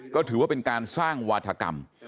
ก็ถือว่าเป็นการสร้างวาธกรรม